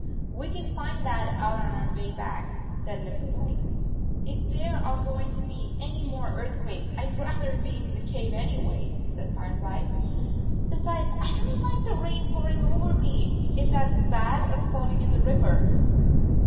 " We can find that out on our way back," said Limberleg. "If there are going to be any more earth 107 quakes, I d rather be in the cave anyway," said Firefly. "Besides, I don t like the rain pouring over me. It s as bad as falling in the river."